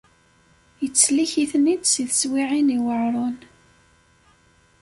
Ittsellik-iten-id si teswiɛin iweɛren.